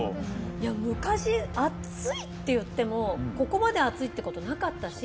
いや昔暑いっていってもここまで暑いってことなかったし。